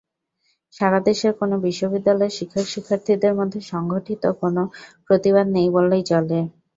সারা দেশের কোনো বিশ্ববিদ্যালয়ের শিক্ষক-শিক্ষার্থীদের মধ্যে সংগঠিত কোনো প্রতিবাদ নেই বললেই চলে।